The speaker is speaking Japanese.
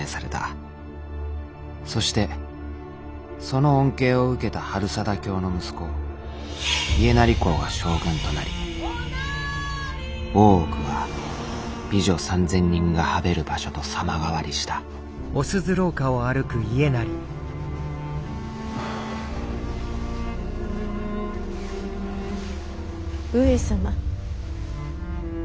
そしてその恩恵を受けた治済卿の息子家斉公が将軍となり大奥は美女３，０００人が侍る場所と様変わりした上様。